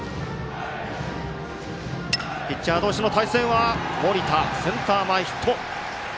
ピッチャー同士の対戦は森田、センター前ヒット。